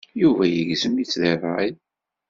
Yuba yegzem-itt deg ṛṛay.